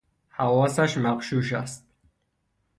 حواسش مغشوش است